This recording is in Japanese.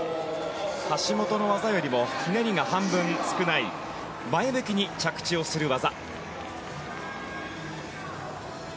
橋本の技よりもひねりが半分少ない前向きに着地する技。